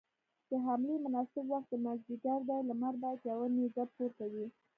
د حملې مناسب وخت مازديګر دی، لمر بايد يوه نيزه پورته وي.